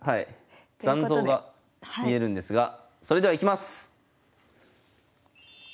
残像が見えるんですがそれではいきます！